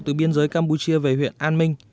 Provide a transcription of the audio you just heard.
từ biên giới campuchia về huyện an minh